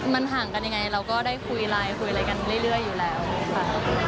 มันห่างกันยังไงเราก็ได้คุยไลน์คุยอะไรกันเรื่อยอยู่แล้วค่ะ